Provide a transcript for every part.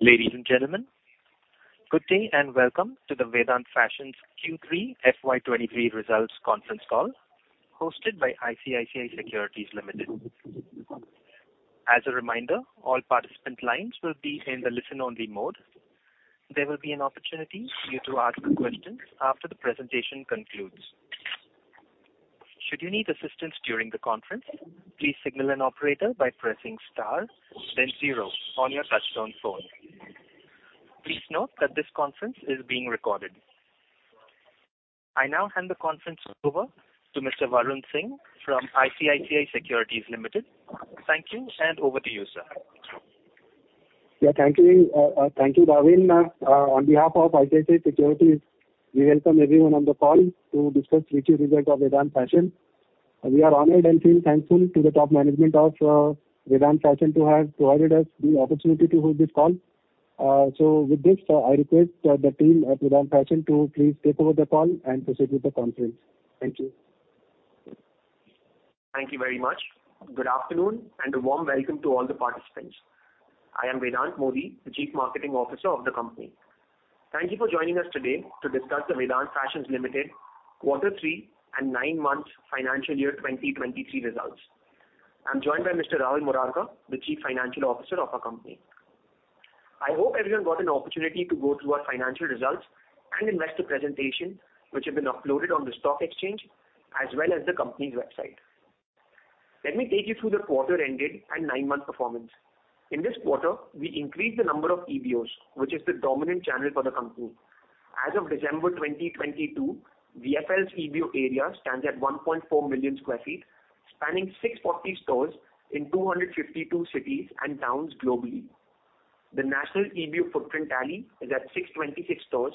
Ladies and gentlemen, good day, welcome to the Vedant Fashions Q3 FY 2023 results conference call, hosted by ICICI Securities Limited. As a reminder, all participant lines will be in the listen only mode. There will be an opportunity for you to ask questions after the presentation concludes. Should you need assistance during the conference, please signal an operator by pressing star then zero on your touch-tone phone. Please note that this conference is being recorded. I now hand the conference over to Mr. Varun Singh from ICICI Securities Limited. Thank you, over to you, sir. Yeah, thank you. Thank you, Dorwin. On behalf of ICICI Securities, we welcome everyone on the call to discuss Q3 result of Vedant Fashions. We are honored and feel thankful to the top management of Vedant Fashions to have provided us the opportunity to hold this call. With this, I request the team at Vedant Fashions to please take over the call and proceed with the conference. Thank you. Thank you very much. Good afternoon and a warm welcome to all the participants. I am Vedant Modi, the Chief Marketing Officer of the company. Thank you for joining us today to discuss the Vedant Fashions Limited Q3 and nine months financial year 2023 results. I'm joined by Mr. Rahul Murarka, the Chief Financial Officer of our company. I hope everyone got an opportunity to go through our financial results and investor presentation, which have been uploaded on the stock exchange as well as the company's website. Let me take you through the quarter ended and nine-month performance. In this quarter, we increased the number of EBOs, which is the dominant channel for the company. As of December 2022, VFL's EBO area stands at 1.4 million sq ft, spanning 640 stores in 252 cities and towns globally. The national EBO footprint tally is at 626 stores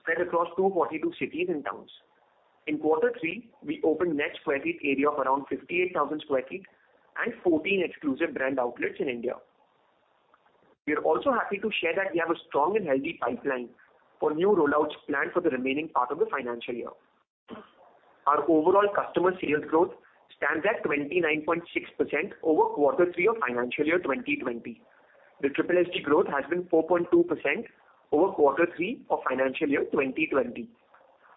spread across 242 cities and towns. In quarter three, we opened net square feet area of around 58,000 sq ft and 14 exclusive brand outlets in India. We are also happy to share that we have a strong and healthy pipeline for new rollouts planned for the remaining part of the financial year. Our overall customer sales growth stands at 29.6% over quarter three of financial year 2020. The SSSG growth has been 4.2% over quarter three of financial year 2020.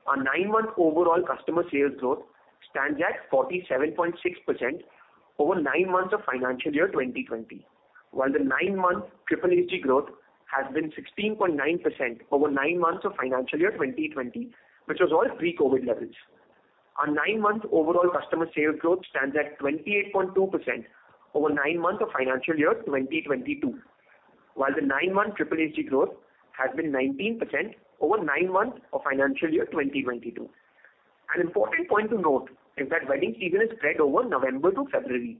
Our nine-month overall customer sales growth stands at 47.6% over nine months of financial year 2020, while the nine-month SSSG growth has been 16.9% over nine months of financial year 2020, which was all pre-COVID levels. Our nine-month overall customer sales growth stands at 28.2% over nine months of financial year 2022, while the nine-month SSSG growth has been 19% over nine months of financial year 2022. An important point to note is that wedding season is spread over November to February,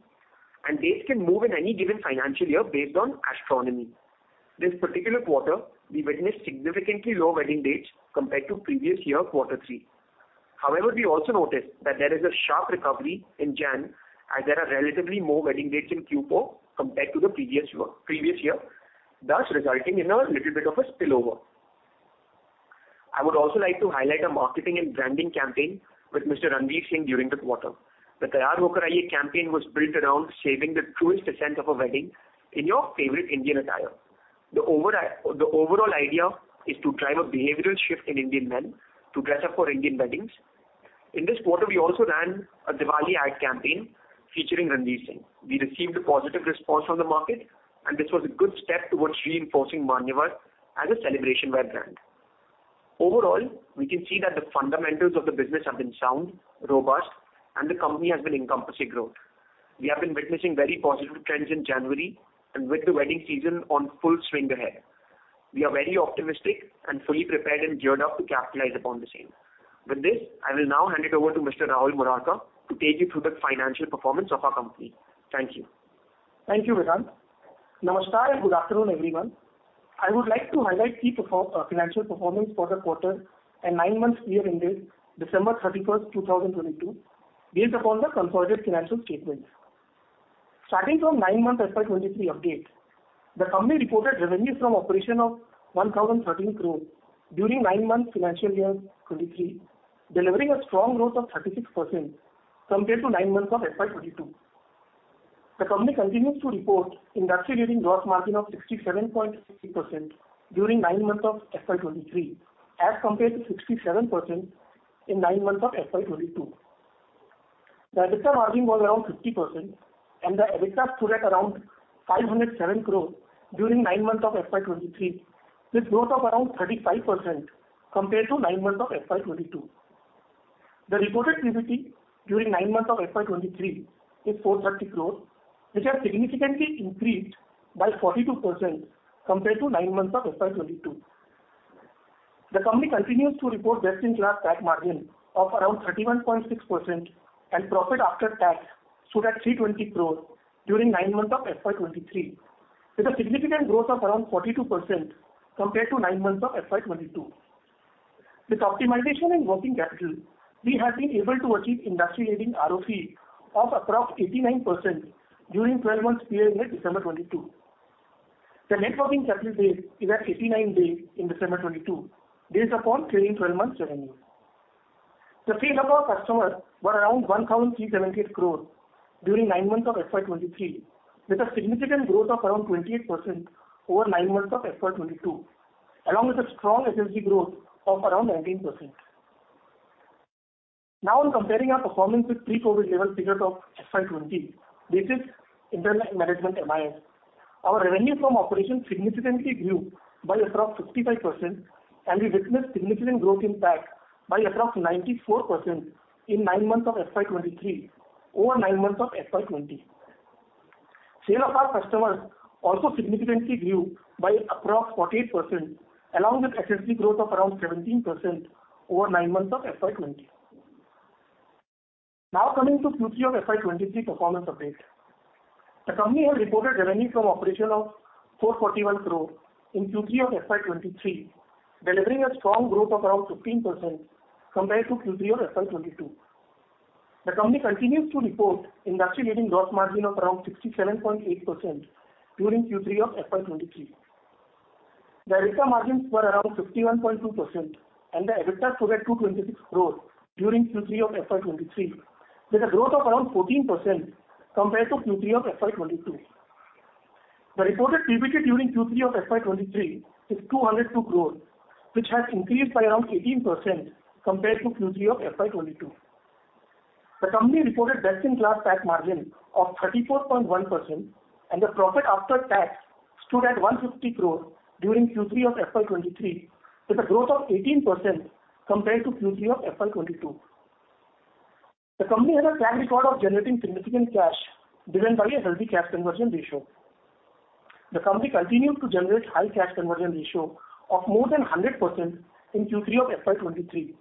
and dates can move in any given financial year based on astronomy. This particular quarter, we witnessed significantly lower wedding dates compared to previous year Q3. However, we also noticed that there is a sharp recovery in January, as there are relatively more wedding dates in Q4 compared to the previous year, thus resulting in a little bit of a spillover. I would also like to highlight our marketing and branding campaign with Mr. Ranveer Singh during the quarter. The TayyarHoKarAaiye campaign was built around saving the truest essence of a wedding in your favorite Indian attire. The overall idea is to drive a behavioral shift in Indian men to dress up for Indian weddings. In this quarter, we also ran a Diwali ad campaign featuring Ranveer Singh. We received a positive response from the market, and this was a good step towards reinforcing Manyavar as a celebration wear brand. Overall, we can see that the fundamentals of the business have been sound, robust, and the company has been encompassing growth. We have been witnessing very positive trends in January and with the wedding season on full swing ahead. We are very optimistic and fully prepared and geared up to capitalize upon the same. With this, I will now hand it over to Mr. Rahul Murarka to take you through the financial performance of our company. Thank you. Thank you, Vedant. Namaskar and good afternoon, everyone. I would like to highlight key financial performance for the quarter and nine months year ended December 31st, 2022, based upon the consolidated financial statements. Starting from nine months FY 2023 update, the company reported revenues from operation of 1,013 crore during nine months FY 2023, delivering a strong growth of 36% compared to nine months of FY 2022. The company continues to report industry leading gross margin of 67.8% during nine months of FY 2023 as compared to 67% in nine months of FY 2022. The EBITDA margin was around 50% and the EBITDA stood at around 507 crore during nine months of FY 2023, with growth of around 35% compared to nine months of FY 2022. The reported PBT during nine months of FY 2023 is 430 crore, which has significantly increased by 42% compared to nine months of FY 2022. The company continues to report best-in-class PAT margin of around 31.6% and profit after tax stood at 320 crore during nine months of FY 2023, with a significant growth of around 42% compared to nine months of FY 2022. With optimization in working capital, we have been able to achieve industry leading ROCE of approx 89% during 12 months period ended December 2022. The net working capital days is at 89 days in December 2022, based upon trailing 12 months revenue. The sales of our customer were around 1,378 crore during nine months of FY 2023, with a significant growth of around 28% over nine months of FY 2022, along with a strong SSSG growth of around 19%. On comparing our performance with pre-COVID level figures of FY 2020, this is internal management MIS. Our revenue from operations significantly grew by approx 55%, and we witnessed significant growth in PAT by approx 94% in nine months of FY 2023 over nine months of FY 2020. Sale of our customers also significantly grew by approx 48%, along with SSSG growth of around 17% over nine months of FY 2020. Coming to Q3 of FY 2023 performance update. The company has reported revenue from operation of 441 crore in Q3 of FY 2023, delivering a strong growth of around 15% compared to Q3 of FY 2022. The company continues to report industry-leading gross margin of around 67.8% during Q3 of FY 2023. The EBITDA margins were around 51.2%, and the EBITDA stood at 226 crore during Q3 of FY 2023, with a growth of around 14% compared to Q3 of FY 2022. The reported PBT during Q3 of FY 2023 is 202 crore, which has increased by around 18% compared to Q3 of FY 2022. The company reported best-in-class PAT margin of 34.1%, and the profit after tax stood at 150 crore during Q3 of FY 2023, with a growth of 18% compared to Q3 of FY 2022. The company has a track record of generating significant cash, driven by a healthy cash conversion ratio. The company continued to generate high cash conversion ratio of more than 100% in Q3 of FY 2023,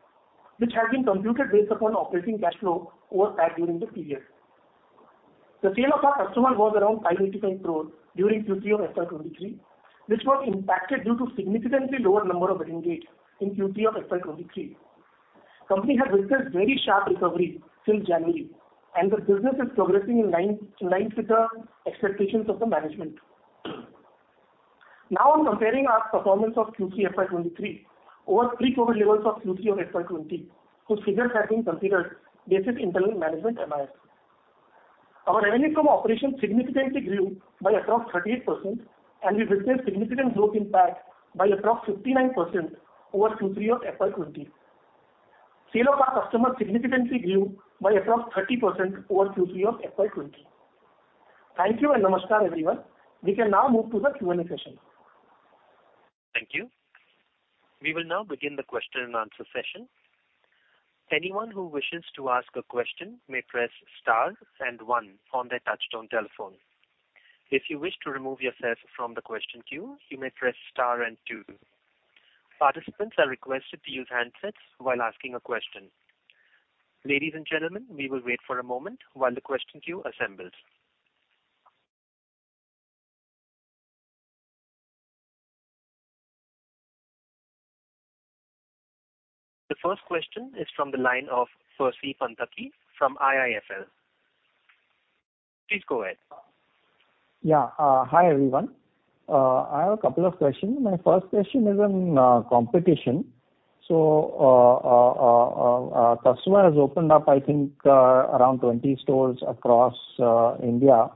which has been computed based upon operating cash flow over PAT during the period. The sale of our customer was around 585 crore during Q3 of FY 2023, which was impacted due to significantly lower number of wedding dates in Q3 of FY 2023. Company has witnessed very sharp recovery since January, and the business is progressing in line with the expectations of the management. On comparing our performance of Q3 FY 2023 over pre-COVID levels of Q3 of FY 2020, whose figures have been considered based on internal management MIS. Our revenue from operations significantly grew by approx 38%. We witnessed significant growth in PAT by approx 59% over Q3 of FY 2020. Sale of our customers significantly grew by approx 30% over Q3 of FY 2020. Thank you and namaskar everyone. We can now move to the Q&A session. Thank you. We will now begin the question and answer session. Anyone who wishes to ask a question may press star and one on their touch-tone telephone. If you wish to remove yourself from the question queue, you may press star and two. Participants are requested to use handsets while asking a question. Ladies and gentlemen, we will wait for a moment while the question queue assembles. The first question is from the line of Percy Panthaki from IIFL. Please go ahead. Yeah. Hi, everyone. I have a couple of questions. My first question is on competition. Customer has opened up, I think, around 20 stores across India.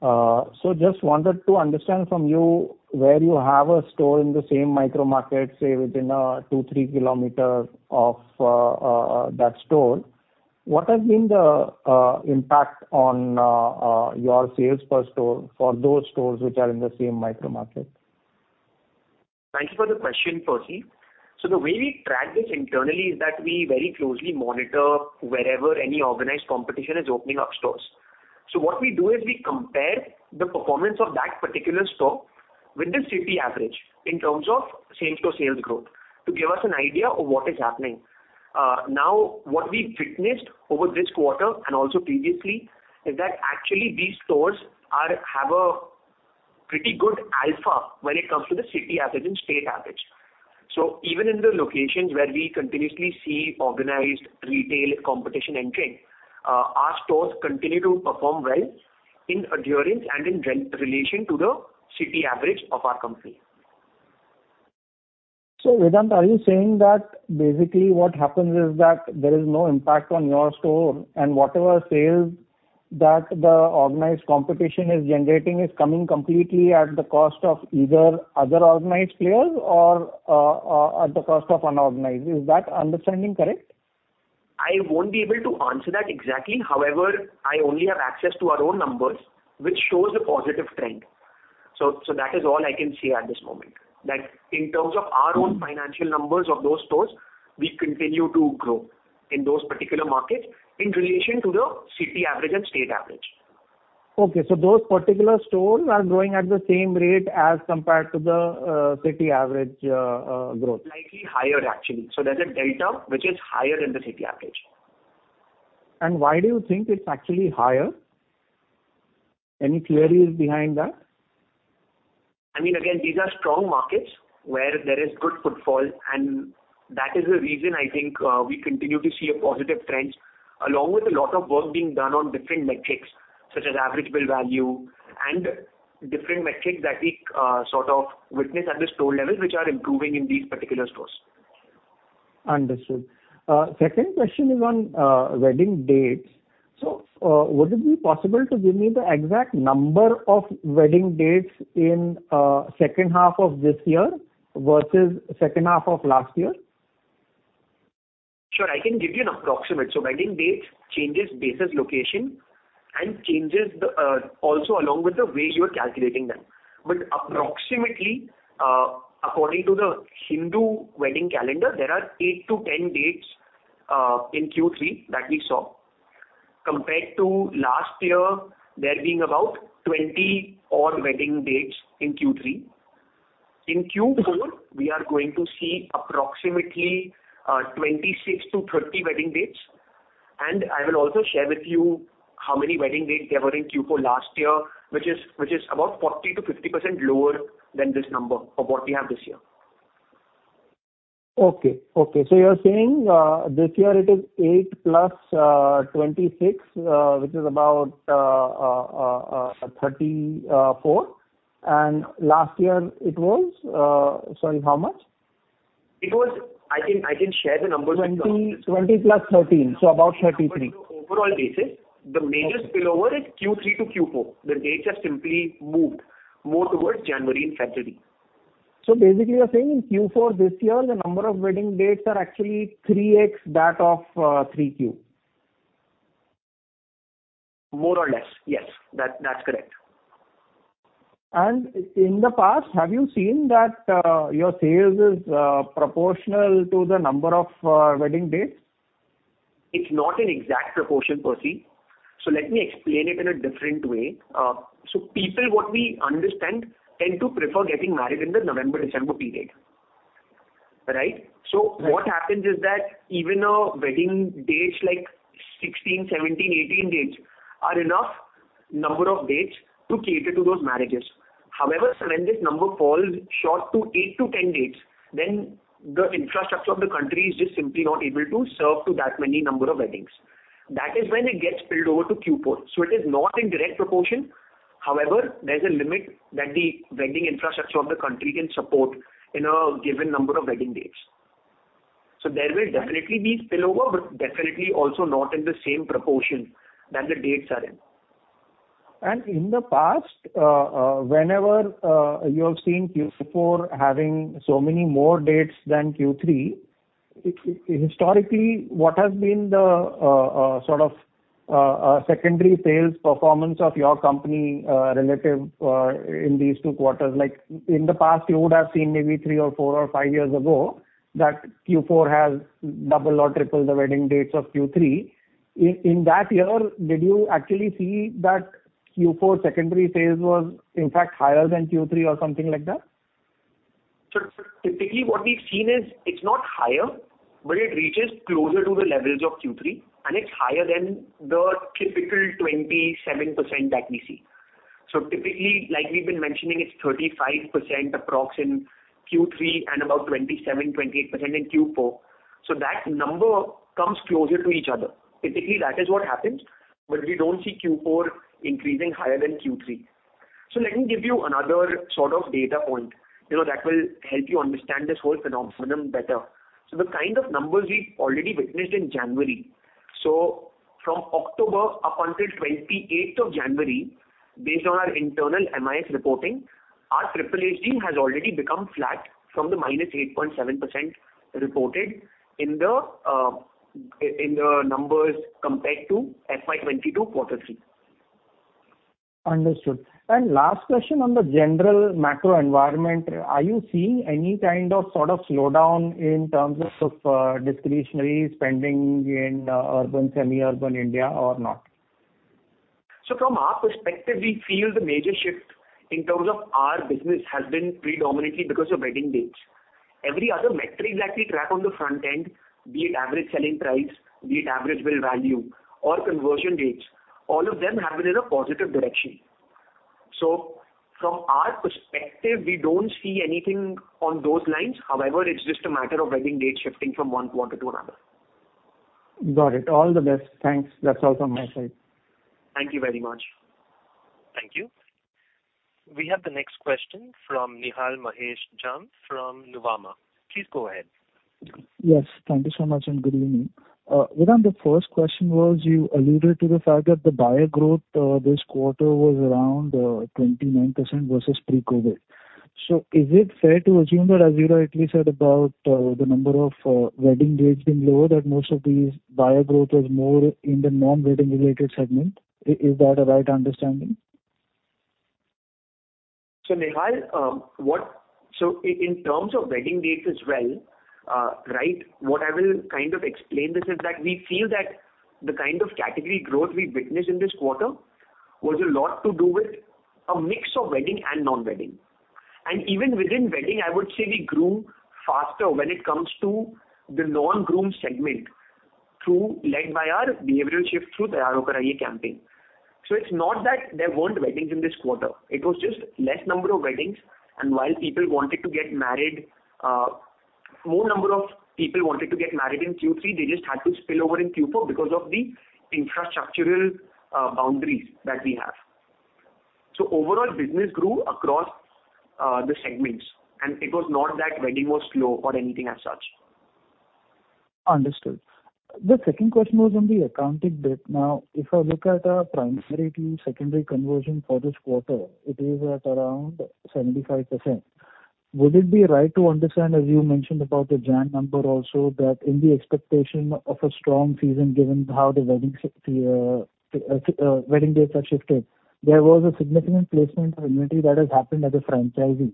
Just wanted to understand from you where you have a store in the same micro market, say, within two, three kilometers of that store, what has been the impact on your sales per store for those stores which are in the same micro market? Thank you for the question, Percy. The way we track this internally is that we very closely monitor wherever any organized competition is opening up stores. What we do is we compare the performance of that particular store with the city average in terms of same-store sales growth, to give us an idea of what is happening. Now, what we've witnessed over this quarter, and also previously, is that actually these stores have a pretty good alpha when it comes to the city average and state average. Even in the locations where we continuously see organized retail competition entering, our stores continue to perform well in adherence and in relation to the city average of our company. Vedant, are you saying that basically what happens is that there is no impact on your store, and whatever sales that the organized competition is generating is coming completely at the cost of either other organized players or at the cost of unorganized. Is that understanding correct? I won't be able to answer that exactly. However, I only have access to our own numbers, which shows a positive trend. That is all I can see at this moment. That in terms of our own financial numbers of those stores, we continue to grow in those particular markets in relation to the city average and state average. Okay, those particular stores are growing at the same rate as compared to the city average growth. Slightly higher, actually. There's a delta which is higher than the city average. Why do you think it's actually higher? Any theories behind that? I mean, again, these are strong markets where there is good footfall, and that is the reason I think, we continue to see a positive trend. Along with a lot of work being done on different metrics, such as average bill value and different metrics that we, sort of witness at the store level, which are improving in these particular stores. Understood. second question is on wedding dates. Would it be possible to give me the exact number of wedding dates in second half of this year versus second half of last year? Sure. I can give you an approximate. Wedding dates changes basis location and changes the also along with the way you're calculating them. Approximately, according to the Hindu wedding calendar, there are eight to 10 dates in Q3 that we saw, compared to last year there being about 20 odd wedding dates in Q3. In Q4, we are going to see approximately 26-30 wedding dates, and I will also share with you how many wedding dates there were in Q4 last year, which is about 40%-50% lower than this number of what we have this year. Okay. Okay. You're saying, this year it is 8 + 26, which is about 34. Last year it was, sorry, how much? I can share the numbers with you. 20 + 13, about 33. On an overall basis, the major spillover is Q3 to Q4. The dates have simply moved more towards January and February. basically you're saying in Q4 this year, the number of wedding dates are actually 3x that of 3Q? More or less, yes. That's correct. In the past, have you seen that your sales is proportional to the number of wedding dates? It's not an exact proportion, Percy. Let me explain it in a different way. People, what we understand, tend to prefer getting married in the November-December period. Right? Right. What happens is that even a wedding dates like 16, 17, 18 dates are enough number of dates to cater to those marriages. However, when this number falls short to eight to 10 dates, then the infrastructure of the country is just simply not able to serve to that many number of weddings. That is when it gets spilled over to Q4. It is not in direct proportion, however, there's a limit that the wedding infrastructure of the country can support in a given number of wedding dates. There will definitely be spillover, but definitely also not in the same proportion than the dates are in. In the past, whenever you have seen Q4 having so many more dates than Q3, historically, what has been the sort of secondary sales performance of your company, relative in these two quarters? Like in the past, you would have seen maybe three or four or five years ago that Q4 has double or triple the wedding dates of Q3. In that year, did you actually see that Q4 secondary sales was in fact higher than Q3 or something like that? Typically what we've seen is it's not higher, but it reaches closer to the levels of Q3, and it's higher than the typical 27% that we see. Typically, like we've been mentioning, it's 35% approx in Q3 and about 27%-28% in Q4. That number comes closer to each other. Typically, that is what happens, but we don't see Q4 increasing higher than Q3. Let me give you another sort of data point, you know, that will help you understand this whole phenomenon better. The kind of numbers we've already witnessed in January. From October up until 28th of January, based on our internal MIS reporting, our SSSG team has already become flat from the -8.7% reported in the numbers compared to FY 2022 Q3. Understood. Last question on the general macro environment. Are you seeing any kind of sort of slowdown in terms of, discretionary spending in, urban, semi-urban India or not? From our perspective, we feel the major shift in terms of our business has been predominantly because of wedding dates. Every other metric that we track on the front end, be it average selling price, be it average bill value or conversion rates, all of them have been in a positive direction. From our perspective, we don't see anything on those lines. However, it's just a matter of wedding date shifting from one quarter to another. Got it. All the best. Thanks. That's all from my side. Thank you very much. Thank you. We have the next question from Nihal Mahesh Jham from Nuvama. Please go ahead. Yes. Thank you so much. Good evening. Vedant, the first question was you alluded to the fact that the buyer growth, this quarter was around 29% versus pre-COVID. Is it fair to assume that as you rightly said about, the number of wedding dates being lower, that most of these buyer growth was more in the non-wedding related segment? Is that a right understanding? Nihal, in terms of wedding dates as well, what I will kind of explain this is that we feel that the kind of category growth we witnessed in this quarter was a lot to do with a mix of wedding and non-wedding. Even within wedding, I would say we grew faster when it comes to the non-groom segment through led by our behavioral shift through TayyarHoKarAaiye campaign. It's not that there weren't weddings in this quarter, it was just less number of weddings, and while people wanted to get married, More number of people wanted to get married in Q3. They just had to spill over in Q4 because of the infrastructural boundaries that we have. Overall business grew across the segments, it was not that wedding was slow or anything as such. Understood. The second question was on the accounting bit. If I look at our primary to secondary conversion for this quarter, it is at around 75%. Would it be right to understand, as you mentioned about the Jan number also, that in the expectation of a strong season, given how the wedding the wedding dates are shifted, there was a significant placement of inventory that has happened at the franchisee.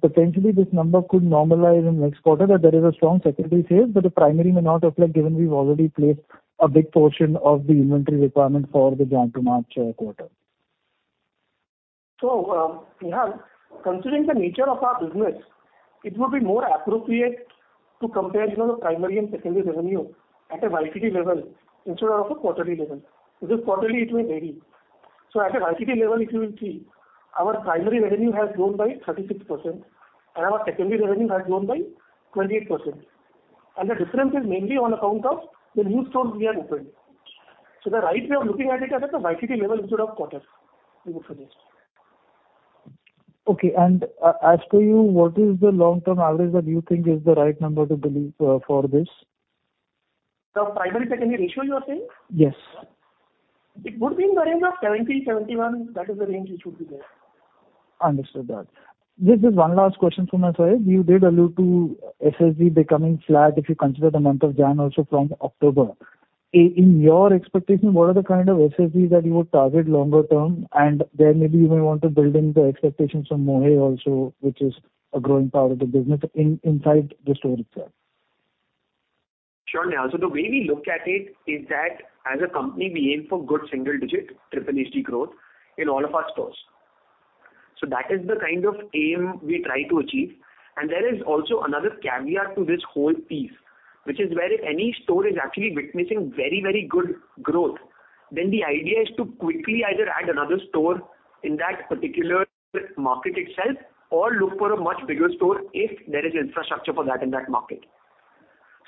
Potentially this number could normalize in next quarter, that there is a strong secondary sales, but the primary may not apply, given we've already placed a big portion of the inventory requirement for the Jan to March quarter. Yeah, considering the nature of our business, it would be more appropriate to compare, you know, the primary and secondary revenue at a YTD level instead of a quarterly level. Quarterly it may vary. At a YTD level, if you will see, our primary revenue has grown by 36% and our secondary revenue has grown by 28%. The difference is mainly on account of the new stores we have opened. The right way of looking at it at a YTD level instead of quarter, we would suggest. Okay. as per you, what is the long term average that you think is the right number to believe, for this? The primary-secondary ratio, you are saying? Yes. It would be in the range of 70-71. That is the range it should be there. Understood that. Just one last question from my side. You did allude to SSV becoming flat if you consider the month of January also from October. In your expectation, what are the kind of SSVs that you would target longer term? There maybe you may want to build in the expectations from Mohey also, which is a growing part of the business inside the store itself. Sure, Nihal. The way we look at it is that as a company we aim for good single digit SSSG growth in all of our stores. That is the kind of aim we try to achieve. There is also another caveat to this whole piece, which is where if any store is actually witnessing very, very good growth, then the idea is to quickly either add another store in that particular market itself or look for a much bigger store if there is infrastructure for that in that market.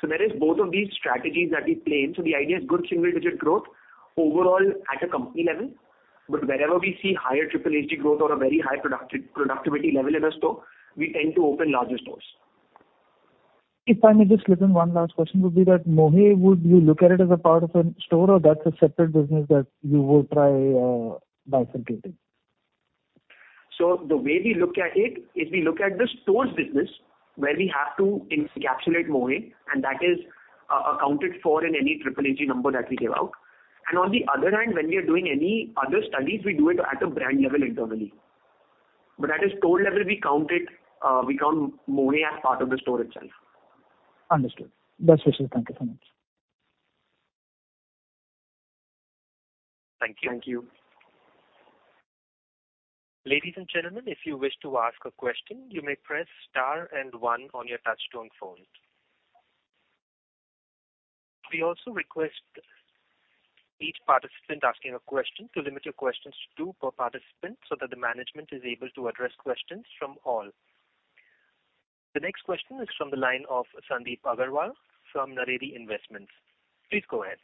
There is both of these strategies that we play. The idea is good single digit growth overall at a company level. Wherever we see higher SSSG growth or a very high productivity level in a store, we tend to open larger stores. If I may just slip in one last question would be that Mohey, would you look at it as a part of a store or that's a separate business that you will try, bifurcating? The way we look at it is we look at the stores business where we have to encapsulate Mohey, and that is accounted for in any SSSG number that we give out. On the other hand, when we are doing any other studies, we do it at a brand level internally. At a store level, we count it, we count Mohey as part of the store itself. Understood. That's it. Thank you so much. Thank you. Thank you. Ladies and gentlemen, if you wish to ask a question, you may press star and 1 on your touchtone phone. We also request each participant asking a question to limit your questions to two per participant so that the management is able to address questions from all. The next question is from the line of Sandeep Agarwal from Naredi Investments. Please go ahead.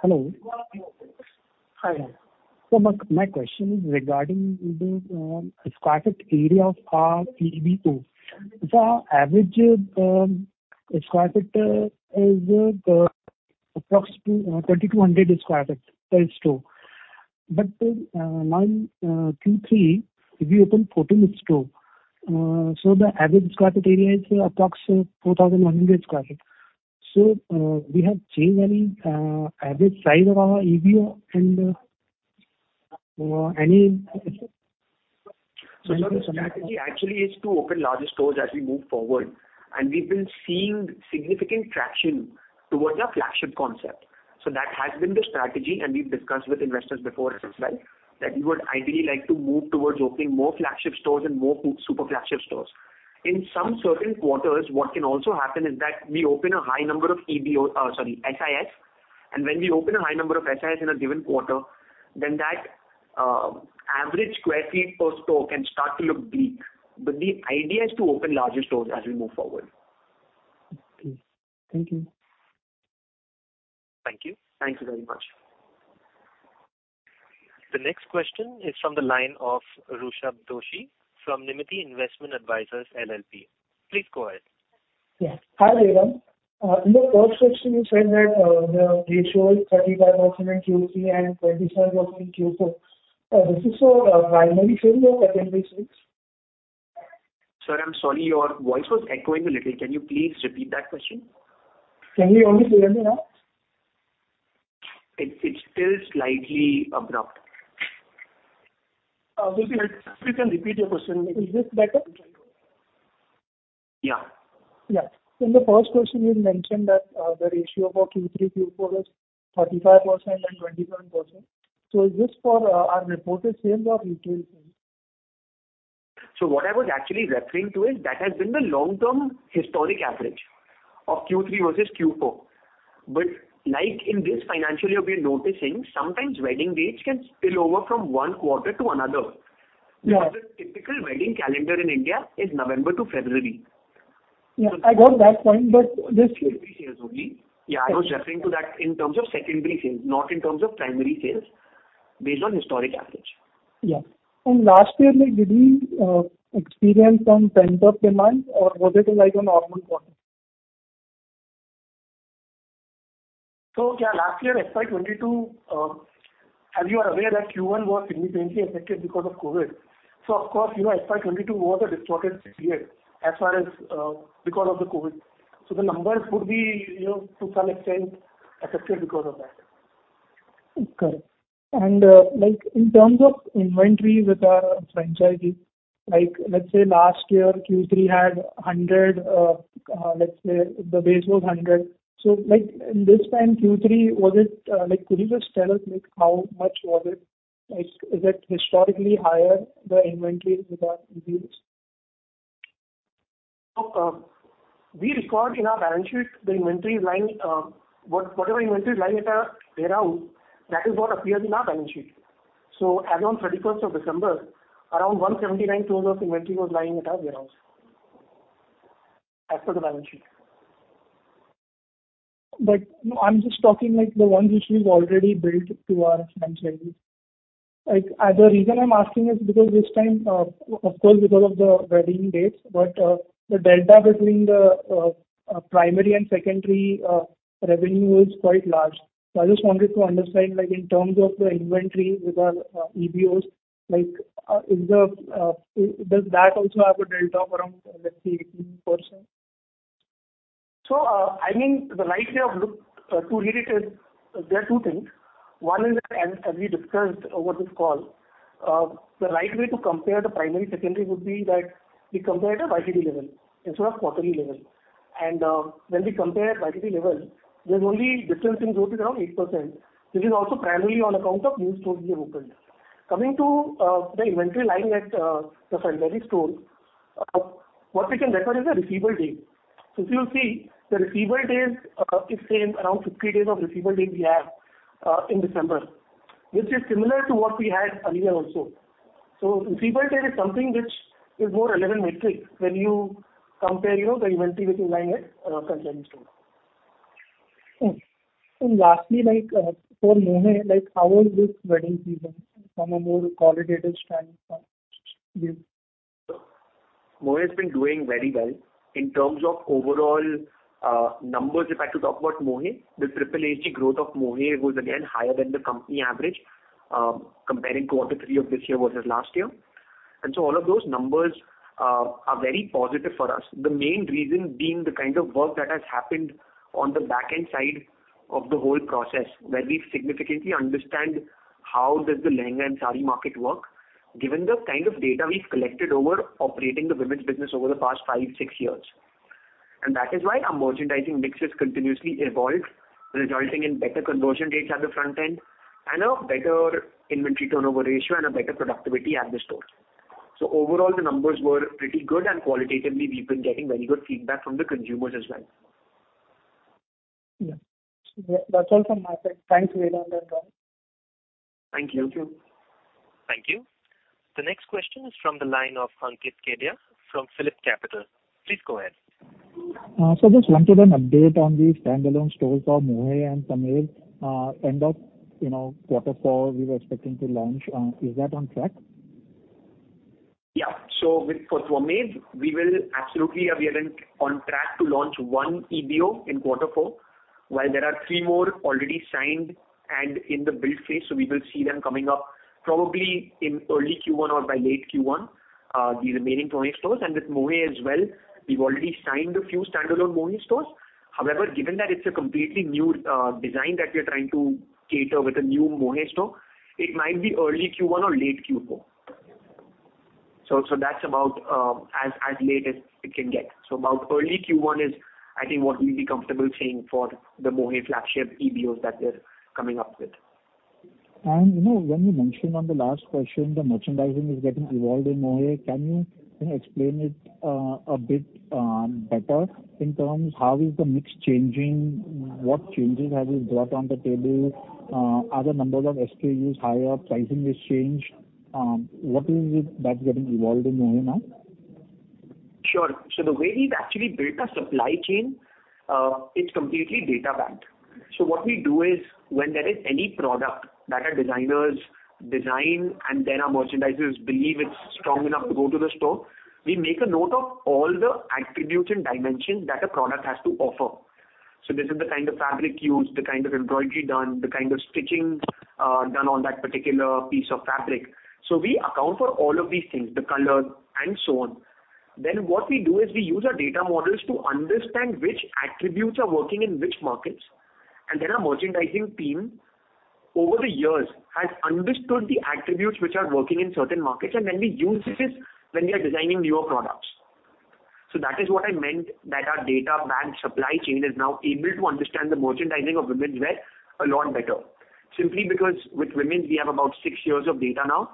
Hello. Hi. My question is regarding the square feet area of our EBO. Our average square feet is approximately 2,200 sq ft per store. Now in Q3, we opened 14 store, so the average square feet area is approx 4,100 sq ft. We have changed any average size of our EBO and any Our strategy actually is to open larger stores as we move forward, and we've been seeing significant traction towards our flagship concept. That has been the strategy, and we've discussed with investors before as well, that we would ideally like to move towards opening more flagship stores and more super flagship stores. In some certain quarters, what can also happen is that we open a high number of EBO, sorry, SIS, and when we open a high number of SIS in a given quarter, then that average square feet per store can start to look bleak. The idea is to open larger stores as we move forward. Okay. Thank you. Thank you. Thank you very much. The next question is from the line of Rushabh Doshi from Nirmiti Investment Advisors LLP. Please go ahead. Yeah. Hi, Vedant. In the first question you said that, the ratio is 35% in Q3 and 27% in Q4. This is for primary sales or secondary sales? Sir, I'm sorry, your voice was echoing a little. Can you please repeat that question? Can you hear me clearly now? It's still slightly abrupt. Maybe if you can repeat your question. Is this better? Yeah. In the first question you mentioned that, the ratio for Q3, Q4 was 35% and 27%. Is this for our reported sales or retail sales? What I was actually referring to is that has been the long term historic average of Q3 versus Q4. Like in this financial year, we're noticing sometimes wedding dates can spill over from one quarter to another. Yeah. The typical wedding calendar in India is November to February. Yeah, I got that point. Secondary sales only. Yeah, I was referring to that in terms of secondary sales, not in terms of primary sales based on historic average. Yeah. last year, like, did we experience some pent-up demand or was it like a normal quarter? Yeah, last year, FY 2022, as you are aware that Q1 was significantly affected because of COVID. Of course, you know, FY 2022 was a distorted year as far as because of the COVID. The numbers would be, you know, to some extent affected because of that. Okay. Like, in terms of inventory with our franchisee, like let's say last year Q3 had 100, let's say the base was 100. Like in this time Q3, was it, like could you just tell us, like how much was it? Like is it historically higher, the inventory with our EBOs? We record in our balance sheet the inventory line, whatever inventory is lying at our warehouse, that is what appears in our balance sheet. As on 31st of December, around 179 crores of inventory was lying at our warehouse as per the balance sheet. No, I'm just talking like the one which we've already built to our franchisee. The reason I'm asking is because this time, of course because of the wedding dates, but the delta between the primary and secondary revenue is quite large. I just wanted to understand, like in terms of the inventory with our EBOs, like, is the does that also have a delta of around, let's say 18%? I mean, the right way to read it is there are two things. One is that, as we discussed over this call, the right way to compare the primary, secondary would be that we compare it at YTD level instead of quarterly level. When we compare YTD level, there's only difference in growth is around 8%, which is also primarily on account of new stores we have opened. Coming to the inventory lying at the franchisee store, what we can refer is the receivable date. If you see the receivable date is same, around 50 days of receivable date we have in December, which is similar to what we had earlier also. receivable date is something which is more relevant metric when you compare, you know, the inventory which is lying at our franchisee store. Okay. lastly, like, for Mohey, like how is this wedding season from a more qualitative standpoint? Yes. Mohey has been doing very well in terms of overall numbers. If I could talk about Mohey, the SSSG growth of Mohey was again higher than the company average, comparing quarter three of this year versus last year. All of those numbers are very positive for us. The main reason being the kind of work that has happened on the backend side of the whole process, where we significantly understand how does the lehenga and sari market work, given the kind of data we've collected over operating the women's business over the past five, six years. That is why our merchandising mix has continuously evolved, resulting in better conversion rates at the frontend and a better inventory turnover ratio and a better productivity at the store. Overall, the numbers were pretty good and qualitatively we've been getting very good feedback from the consumers as well. Yeah. That's all from my side. Thanks, Vedant and Rahul. Thank you. Thank you. Thank you. The next question is from the line of Ankit Kedia from Phillip Capital. Please go ahead. Just wanted an update on the standalone stores for Mohey and Twamev, end of, you know, quarter four we were expecting to launch. Is that on track? For Twamev we will absolutely, we are in on track to launch one EBO in quarter four, while there are three more already signed and in the build phase. We will see them coming up probably in early Q1 or by late Q1, the remaining 20 stores. With Mohey as well, we've already signed a few standalone Mohey stores. However, given that it's a completely new design that we are trying to cater with a new Mohey store, it might be early Q1 or late Q4. That's about as late as it can get. About early Q1 is, I think what we'll be comfortable saying for the Mohey flagship EBOs that we're coming up with. You know, when you mentioned on the last question, the merchandising is getting evolved in Mohey, can you know, explain it a bit better in terms how is the mix changing? What changes have you brought on the table? Are the numbers of SKUs higher? Pricing is changed? What is it that's getting evolved in Mohey now? Sure. The way we've actually built our supply chain, it's completely data backed. What we do is when there is any product that our designers design and then our merchandisers believe it's strong enough to go to the store, we make a note of all the attributes and dimensions that a product has to offer. This is the kind of fabric used, the kind of embroidery done, the kind of stitching done on that particular piece of fabric. We account for all of these things, the color and so on. What we do is we use our data models to understand which attributes are working in which markets. Our merchandising team over the years has understood the attributes which are working in certain markets, and then we use this when we are designing newer products. That is what I meant, that our data-backed supply chain is now able to understand the merchandising of women's wear a lot better. Simply because with women's we have about six years of data now.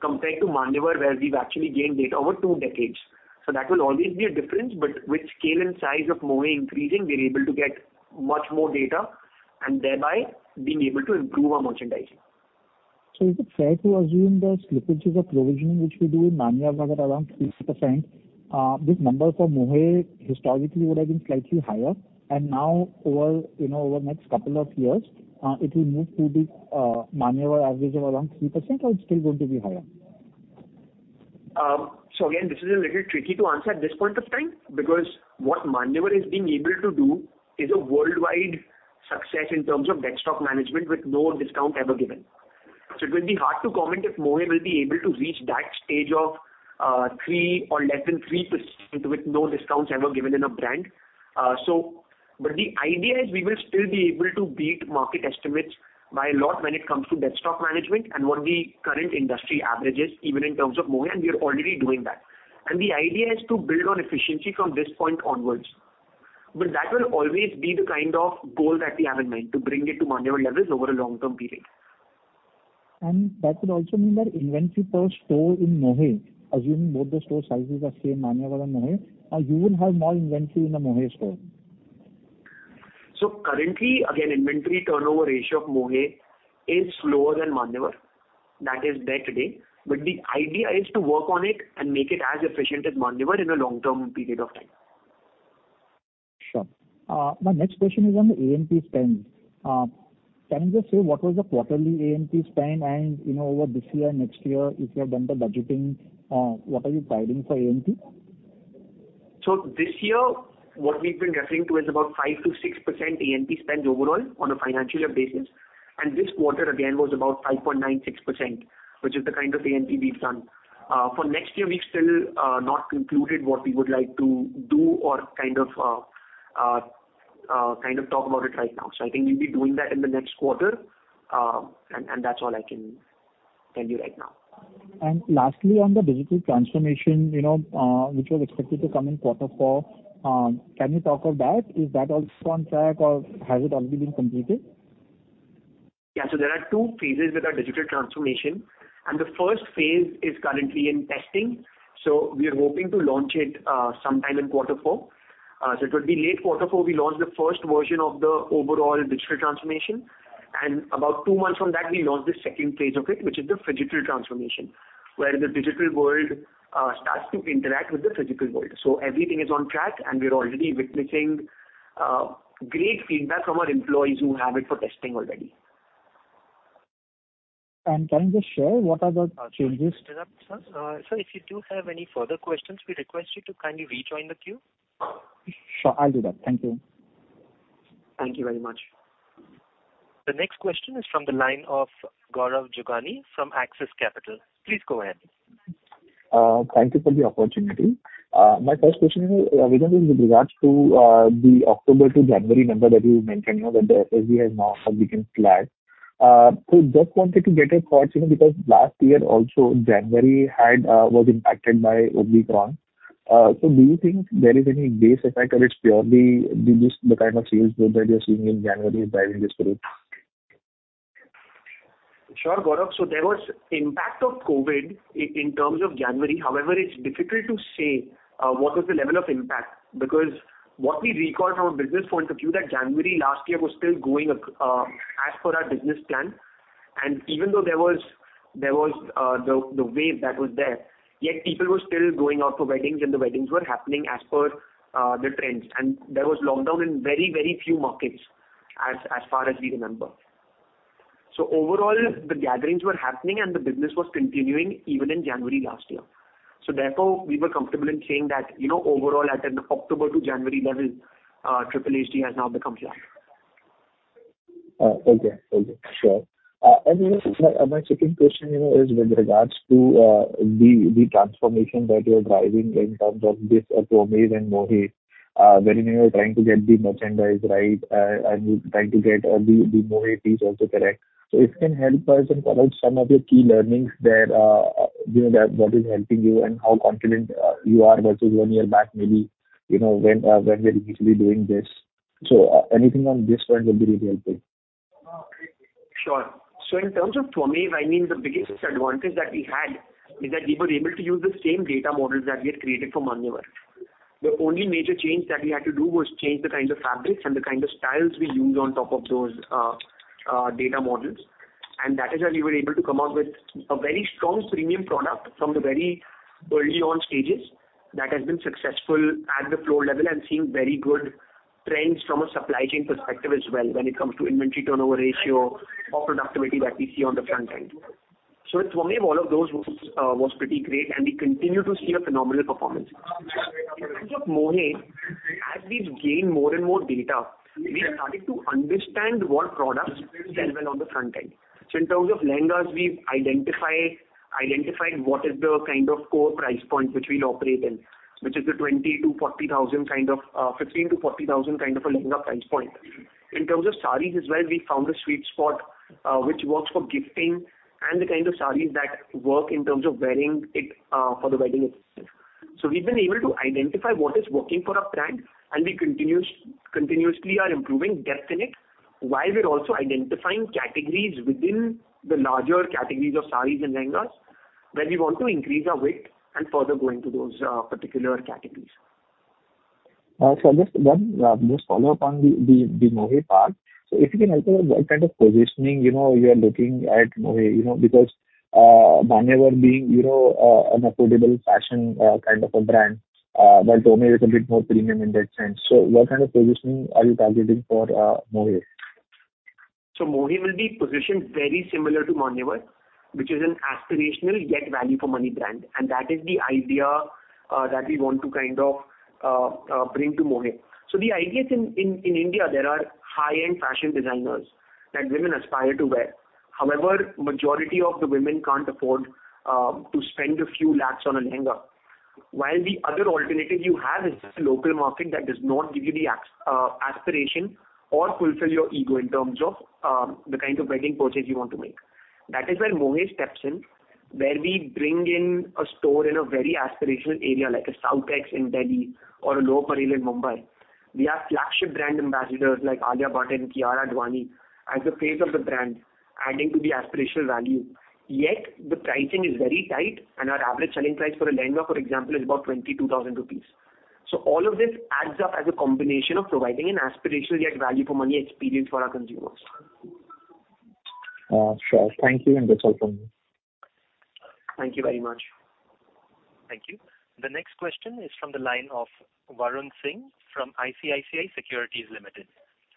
Compared to Manyavar, where we've actually gained data over two decades. That will always be a difference. With scale and size of Mohey increasing, we're able to get much more data and thereby being able to improve our merchandising. Is it fair to assume that slippages of provisioning which we do in Manyavar were around 3%, this number for Mohey historically would have been slightly higher and now over, you know, over the next couple of years, it will move to the Manyavar average of around 3% or it's still going to be higher? Again, this is a little tricky to answer at this point of time, because what Manyavar is being able to do is a worldwide success in terms of desktop management with no discount ever given. It will be hard to comment if Mohey will be able to reach that stage of three or less than 3% with no discounts ever given in a brand. But the idea is we will still be able to beat market estimates by a lot when it comes to desktop management and what the current industry average is even in terms of Mohey, and we are already doing that. The idea is to build on efficiency from this point onwards. That will always be the kind of goal that we have in mind to bring it to Manyavar levels over a long-term period. That would also mean that inventory per store in Mohey, assuming both the store sizes are same, Manyavar and Mohey, you will have more inventory in a Mohey store. Currently, again, inventory turnover ratio of Mohey is slower than Manyavar. That is there today, but the idea is to work on it and make it as efficient as Manyavar in a long-term period of time. Sure. My next question is on the A&P spend. Can you just say what was the quarterly A&P spend and, you know, over this year, next year, if you have done the budgeting, what are you guiding for A&P? This year, what we've been referring to is about 5%-6% A&P spend overall on a financial year basis. This quarter again was about 5.96%, which is the kind of A&P we've done. For next year, we've still not concluded what we would like to do or kind of talk about it right now. I think we'll be doing that in the next quarter. That's all I can tell you right now. Lastly, on the digital transformation, you know, which was expected to come in quarter four, can you talk of that? Is that also on track or has it already been completed? There are two phases with our digital transformation, and the first phase is currently in testing. We are hoping to launch it sometime in quarter four. It would be late quarter four, we launch the first version of the overall digital transformation, and about two months from that, we launch the second phase of it, which is the phygital transformation, where the digital world starts to interact with the physical world. Everything is on track, and we're already witnessing great feedback from our employees who have it for testing already. Can you just share what are the changes? Sorry to interrupt, sir. Sir, if you do have any further questions, we request you to kindly rejoin the queue. Sure, I'll do that. Thank you. Thank you very much. The next question is from the line of Gaurav Jogani from Axis Capital. Please go ahead. Thank you for the opportunity. My first question is, Vedant, with regards to the October to January number that you mentioned, you know, that the SSSG has now become flat. Just wanted to get your thoughts, you know, because last year also January had was impacted by Omicron. Do you think there is any base effect or it's purely the business, the kind of sales growth that you're seeing in January is driving this growth? Sure, Gaurav. There was impact of COVID in terms of January. However, it's difficult to say what was the level of impact, because what we recall from our business point of view that January last year was still going as per our business plan. Even though there was the wave that was there, yet people were still going out for weddings and the weddings were happening as per the trends. There was lockdown in very, very few markets as far as we remember. Overall, the gatherings were happening and the business was continuing even in January last year. Therefore, we were comfortable in saying that, you know, overall at an October to January level, SSSG has now become flat. Okay. Okay. Sure. My, my second question, you know, is with regards to the transformation that you're driving in terms of this Twamev and Mohey, wherein you're trying to get the merchandise right, and you're trying to get the Mohey piece also correct. If you can help us and provide some of your key learnings there, you know, that what is helping you and how confident you are versus one year back, maybe, you know, when we're usually doing this. Anything on this front will be really helpful. In terms of Twamev, I mean, the biggest advantage that we had is that we were able to use the same data models that we had created for Manyavar. The only major change that we had to do was change the kinds of fabrics and the kind of styles we used on top of those data models. That is how we were able to come out with a very strong premium product from the very early on stages that has been successful at the floor level and seeing very good trends from a supply chain perspective as well when it comes to inventory turnover ratio or productivity that we see on the front end. With Twamev, all of those was pretty great, and we continue to see a phenomenal performance. In terms of Mohey, as we've gained more and more data, we are starting to understand what products sell well on the front end. In terms of lehengas, we've identified what is the kind of core price point which we'll operate in, which is the 20,000-40,000 kind of, 15,000-40,000 kind of a lehenga price point. In terms of sarees as well, we found a sweet spot which works for gifting and the kinds of sarees that work in terms of wearing it for the wedding itself. We've been able to identify what is working for our brand, and we continuously are improving depth in it, while we're also identifying categories within the larger categories of sarees and lehengas, where we want to increase our width and further go into those particular categories. Just one, just follow up on the Mohey part. If you can help us, what kind of positioning, you know, you are looking at Mohey, you know, because Manyavar being, you know, an affordable fashion kind of a brand, while Twamev is a bit more premium in that sense. What kind of positioning are you targeting for Mohey? Mohey will be positioned very similar to Manyavar, which is an aspirational yet value for money brand, and that is the idea that we want to kind of bring to Mohey. The idea is in India, there are high-end fashion designers that women aspire to wear. However, majority of the women can't afford to spend INR few lakhs on a lehenga. While the other alternative you have is just a local market that does not give you the aspiration or fulfill your ego in terms of the kind of wedding purchase you want to make. That is where Mohey steps in, where we bring in a store in a very aspirational area like a South Ex in Delhi or a Lower Parel in Mumbai. We have flagship brand ambassadors like Alia Bhatt and Kiara Advani as the face of the brand, adding to the aspirational value. The pricing is very tight, and our average selling price for a lehenga, for example, is about 22,000 rupees. All of this adds up as a combination of providing an aspirational yet value for money experience for our consumers. Sure. Thank you, and that's all from me. Thank you very much. Thank you. The next question is from the line of Varun Singh from ICICI Securities Limited.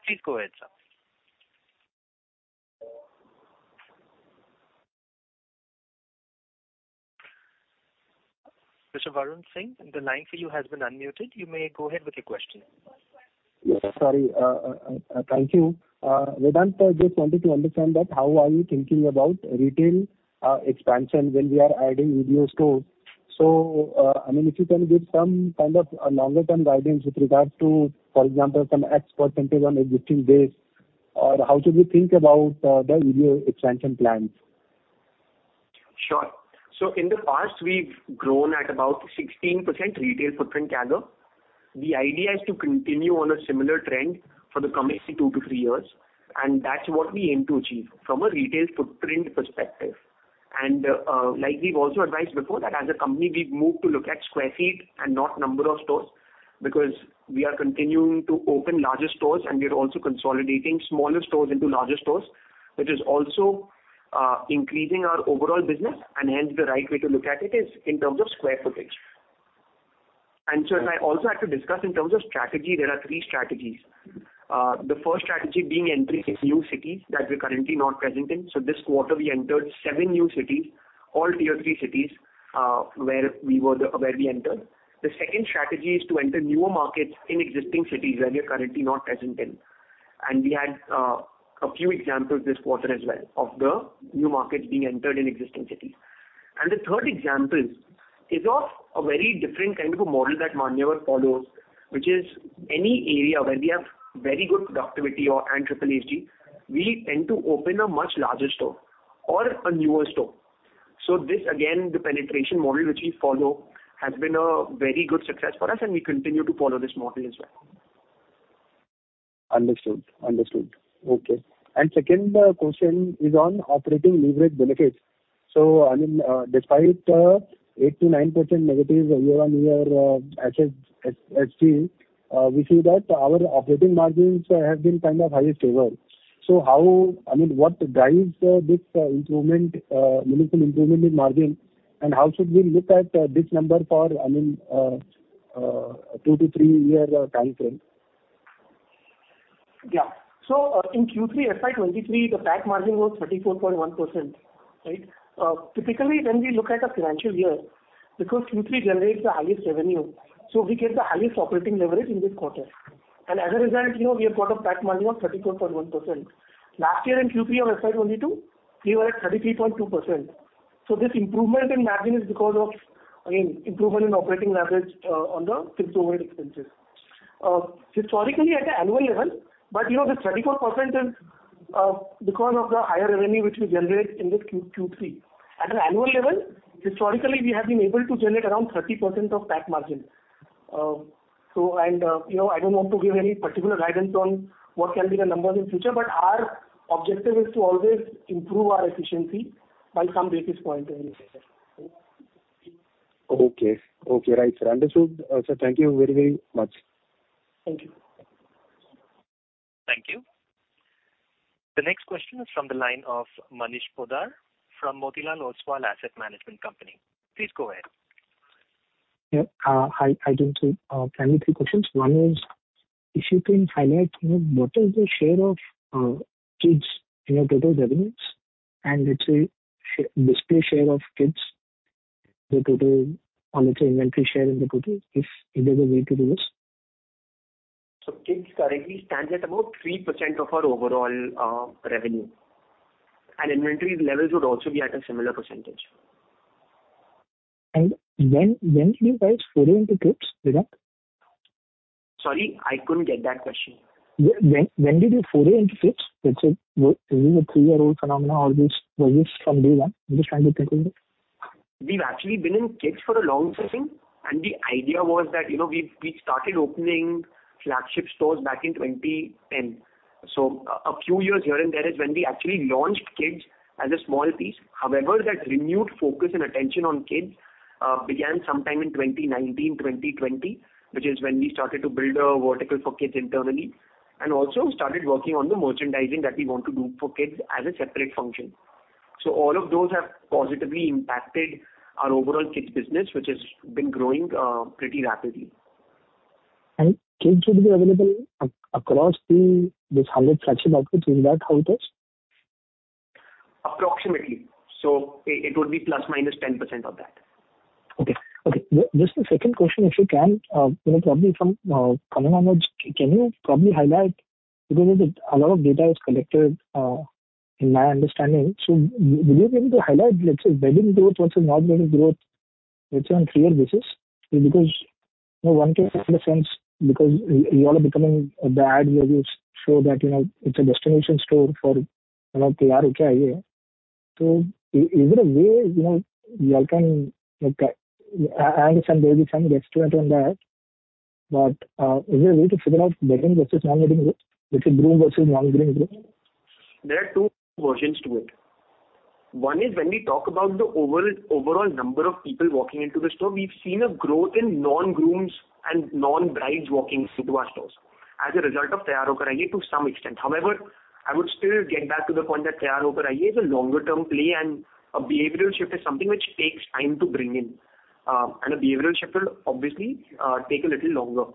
Please go ahead, sir. Mr. Varun Singh, the line for you has been unmuted. You may go ahead with your question. Yes, sorry. Thank you. Vedant, just wanted to understand that how are you thinking about retail expansion when we are adding EBO stores? I mean, if you can give some kind of a longer term guidance with regards to, for example, some X percentage on existing base or how should we think about the video expansion plans? Sure. In the past, we've grown at about 16% retail footprint CAGR. The idea is to continue on a similar trend for the coming two to three years, and that's what we aim to achieve from a retail footprint perspective. Like we've also advised before that as a company, we've moved to look at square feet and not number of stores because we are continuing to open larger stores and we are also consolidating smaller stores into larger stores, which is also increasing our overall business and hence the right way to look at it is in terms of square footage. If I also have to discuss in terms of strategy, there are three strategies. The first strategy being entering new cities that we're currently not present in. This quarter we entered sevem new cities, all tier three cities, where we entered. The second strategy is to enter newer markets in existing cities where we are currently not present in. We had a few examples this quarter as well of the new markets being entered in existing cities. The third example is of a very different kind of a model that Manyavar follows, which is any area where we have very good productivity and SSSG, we tend to open a much larger store or a newer store. This again, the penetration model which we follow has been a very good success for us, and we continue to follow this model as well. Understood. Understood. Okay. Second question is on operating leverage benefits. I mean, despite 8%-9% negative year-on-year asset SSSG, we see that our operating margins have been kind of highest ever. I mean, what drives this meaningful improvement in margin, and how should we look at this number for, I mean, two-three-year time frame? Yeah. In Q3 FY 2023, the PAT margin was 34.1%, right? Typically, when we look at a financial year, because Q3 generates the highest revenue, we get the highest operating leverage in this quarter. As a result, you know, we have got a PAT margin of 34.1%. Last year in Q3 of FY 2022, we were at 33.2%. This improvement in margin is because of, again, improvement in operating leverage on the fixed overhead expenses. Historically at an annual level, you know, this 34% is because of the higher revenue which we generate in this Q3. At an annual level, historically, we have been able to generate around 30% of PAT margin. You know, I don't want to give any particular guidance on what can be the numbers in future, but our objective is to always improve our efficiency by some basis point every year. Okay. Okay. Right, sir. Understood. Sir, thank you very, very much. Thank you. Thank you. The next question is from the line of Manish Poddar from Motilal Oswal Asset Management Company. Please go ahead. Yeah. Hi, hi. I have two, kindly three questions. One is, if you can highlight, you know, what is the share of kids in your total revenues, and let's say this share of kids, or let's say inventory share in the total, if there is a way to do this. Kids currently stands at about 3% of our overall revenue, and inventory levels would also be at a similar percentage. When do you guys foray into kids product? Sorry, I couldn't get that question. When did you foray into kids? Let's say, is it a three-year-old phenomena or this was this from day one? I'm just trying to pinpoint it. We've actually been in kids for a long time. The idea was that, you know, we started opening flagship stores back in 2010. A few years here and there is when we actually launched kids as a small piece. However, that renewed focus and attention on kids began sometime in 2019, 2020, which is when we started to build a vertical for kids internally, and also started working on the merchandising that we want to do for kids as a separate function. All of those have positively impacted our overall kids business, which has been growing pretty rapidly. Kids would be available across the higher traction markets? Is that how it is? Approximately. It would be ±10% of that. Okay. Okay. Just a second question, if you can, you know, probably from common knowledge, can you probably highlight, because a lot of data is collected, in my understanding. Will you be able to highlight, let's say, wedding growth versus non-wedding growth, let's say, on clear basis? Because, you know, one can have the sense because y'all are becoming the ad where you show that, you know, it's a destination store for, you know. Is there a way, you know, y'all can, like, I understand there is some restraint on that, is there a way to figure out wedding versus non-wedding growth? Let's say groom versus non-groom growth? There are two versions to it. One is when we talk about the overall number of people walking into the store, we've seen a growth in non-grooms and non-brides walking into our stores as a result of to some extent. However, I would still get back to the point that is a longer term play and a behavioral shift is something which takes time to bring in. A behavioral shift will obviously take a little longer.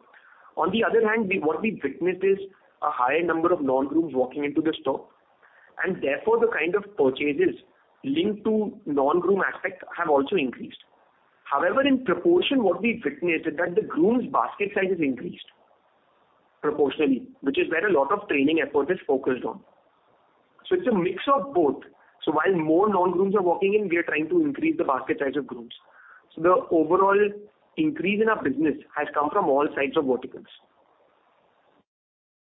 On the other hand, what we've witnessed is a higher number of non-grooms walking into the store, and therefore the kind of purchases linked to non-groom aspect have also increased. However, in proportion, what we've witnessed is that the groom's basket size has increased proportionally, which is where a lot of training effort is focused on. It's a mix of both. While more non-grooms are walking in, we are trying to increase the basket size of grooms. The overall increase in our business has come from all sides of verticals.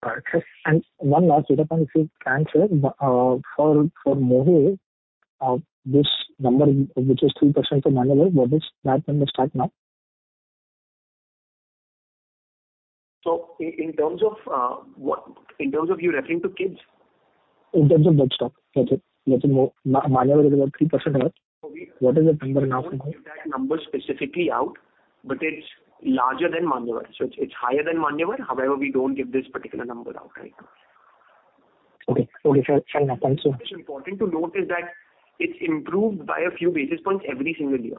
All right. One last data point, if you can share, for Mohey, this number which is 3% for Manyavar, what is that number stand now? In terms of you're referring to kids? In terms of dead stock. Let's say Manyavar is about 3%. What is that number now? We don't give that number specifically out, but it's larger than Manyavar. It's higher than Manyavar, however, we don't give this particular number out right now. Okay. Okay. Fair, fair enough. Thanks so much. It's important to note is that it's improved by a few basis points every single year.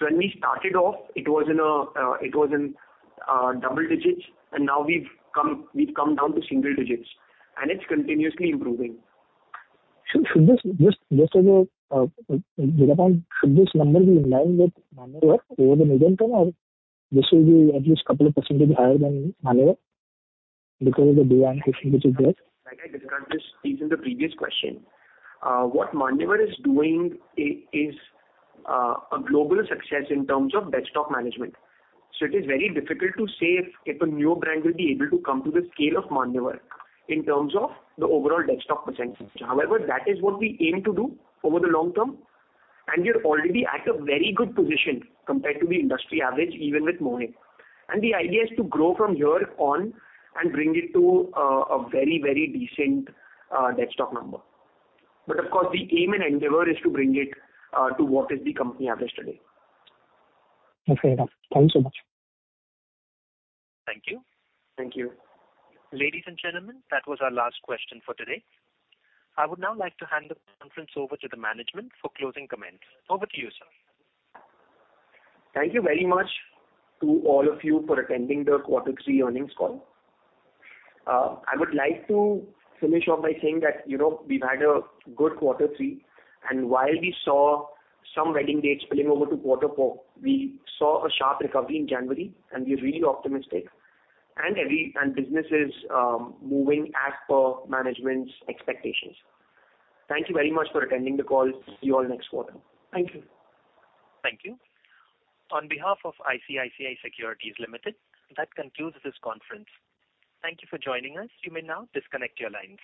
When we started off, it was in a, it was in double digits, and now we've come down to single digits, and it's continuously improving. Should this number be in line with Manyavar over the medium term or this will be at least 2% higher than Manyavar because of the which is there? Like I discussed this piece in the previous question. What Manyavar is doing is a global success in terms of dead stock management. It is very difficult to say if a newer brand will be able to come to the scale of Manyavar in terms of the overall dead stock percentage. However, that is what we aim to do over the long term, and we're already at a very good position compared to the industry average, even with Mohey. The idea is to grow from here on and bring it to a very, very decent dead stock number. Of course, the aim and endeavor is to bring it to what is the company average today. Okay. Thank you so much. Thank you. Thank you. Ladies and gentlemen, that was our last question for today. I would now like to hand the conference over to the management for closing comments. Over to you, sir. Thank you very much to all of you for attending the quarter three earnings call. I would like to finish off by saying that, you know, we've had a good quarter three, and while we saw some wedding dates spilling over to quarter four, we saw a sharp recovery in January, and we're really optimistic. And business is moving as per management's expectations. Thank you very much for attending the call. See you all next quarter. Thank you. Thank you. On behalf of ICICI Securities Limited, that concludes this conference. Thank you for joining us. You may now disconnect your lines.